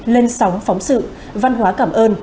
lên sóng phóng sự văn hóa cảm ơn